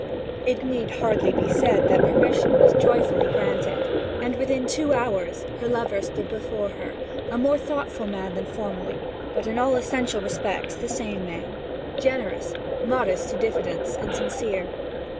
It need hardly be said that permission was joyfully granted, and within two hours her lover stood before her, a more thoughtful man than formerly, but in all essential respects the same man, generous, modest to diffidence, and sincere.